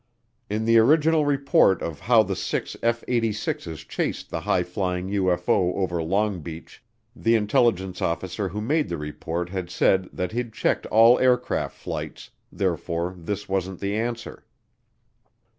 In the original report of how the six F 86's chased the high flying UFO over Long Beach, the intelligence officer who made the report had said that he'd checked all aircraft flights, therefore this wasn't the answer.